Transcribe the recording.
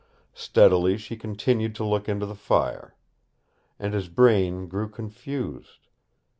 Steadily she continued to look into the fire. And his brain grew confused.